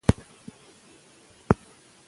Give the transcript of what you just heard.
لوبې د ماشوم استعدادونه پياوړي کوي.